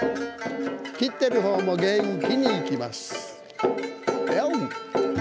切っている方も元気にいきます。